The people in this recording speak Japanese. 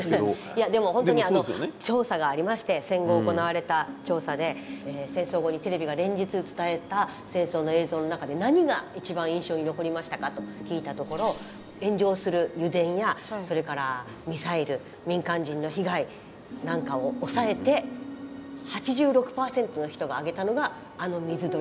いやでも本当にあの調査がありまして戦後行われた調査で戦争後にテレビが連日伝えた戦争の映像の中で何が一番印象に残りましたか？と聞いたところ炎上する油田やそれからミサイル民間人の被害なんかを抑えて８６％の人が挙げたのがあの水鳥の映像だったんです。